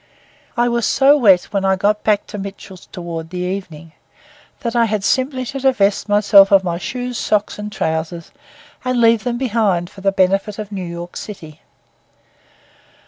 I was so wet when I got back to Mitchell's toward the evening, that I had simply to divest myself of my shoes, socks, and trousers, and leave them behind for the benefit of New York city.